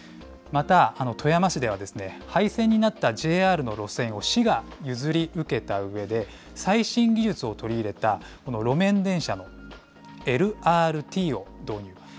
また富山市では、廃線になったＪＲの路線を市が譲り受けたうえで、最新技術を取り入れた、路面電車のＬＲＴを導入。